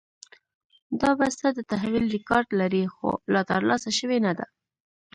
دا بسته د تحویل ریکارډ لري، خو لا ترلاسه شوې نه ده.